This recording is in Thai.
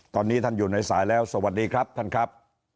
ตอนนี้ท่านอยู่ในสายแล้วสวัสดีครับท่านครับ